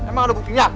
emang ada buktinya